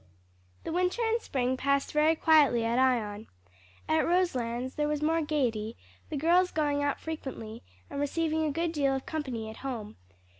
The winter and spring passed very quietly at Ion. At Roselands there was more gayety, the girls going out frequently, and receiving a good deal of company at home.